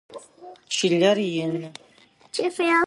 Чылэр ины.